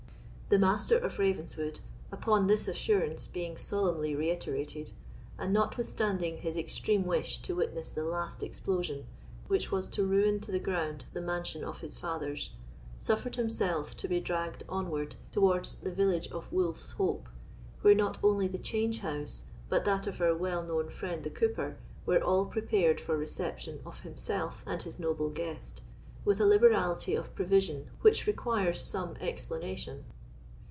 The Master of Ravenswood, upon this assurance being solemnly reiterated, and notwithstanding his extreme wish to witness the last explosion, which was to ruin to the ground the mansion of his fathers, suffered himself to be dragged onward towards the village of Wolf's Hope, where not only the change house, but that of our well known friend the cooper, were all prepared for reception of himself and his noble guest, with a liberality of provision which requires some explanation.